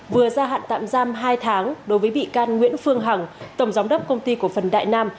vừa ra hạn tạm giam hai tháng đối với bị can nguyễn phương hằng tổng giám đốc công ty cổ phần đại nam